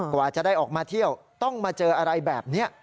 กว่าจะได้ออกมาเที่ยวต้องมาเจออะไรแบบนี้